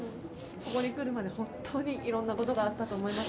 ここに来るまで本当にいろんなことがあったと思います。